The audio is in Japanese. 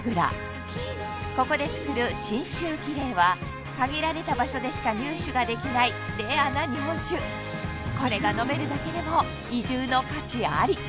ここで造る信州亀齢は限られた場所でしか入手ができないレアな日本酒これが飲めるだけでも移住の価値あり！